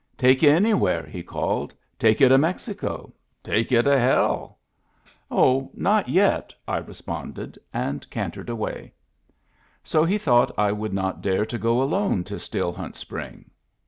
"Take y'u anywhere," he called. " Take y'u to Mexico, take y'u to Hell!" "Oh, not yetl" I responded, and cantered away. So he thought I would not dare to go alone to Still Hunt Spring!